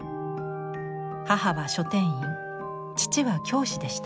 母は書店員父は教師でした。